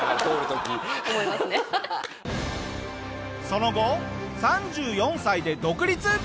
その後３４歳で独立。